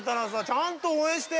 ちゃんと応援して。